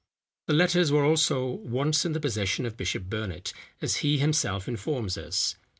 The letters were also, once in the possession of Bishop Burnet, as he himself informs us.